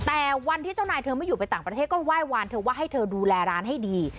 แต่วันที่เจ้านายเธอไม่อยู่ไปต่างประเทศก็ไหว้วานเธอว่าให้เธอดูแลร้านให้ดี